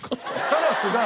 カラスが。